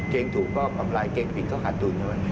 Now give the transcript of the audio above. เก่งถูกก็กำไรเก่งผิดก็ขาดตูนของเขา